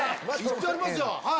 行ってやりますよ！